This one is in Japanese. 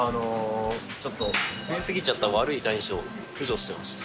ちょっと増え過ぎちゃった悪いタニシを駆除してました。